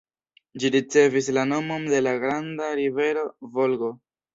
Ĝi ricevis la nomon de la granda rivero Volgo.